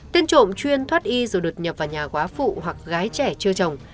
tên trộm chuyên thoát y rồi đột nhập vào nhà quá phụ hoặc gái trẻ chưa trồng